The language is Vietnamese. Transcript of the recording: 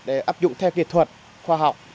để áp dụng theo kỹ thuật khoa học